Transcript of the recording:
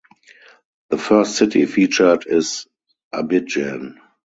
The first city featured is Abidjan.